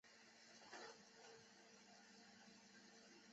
司职中坚。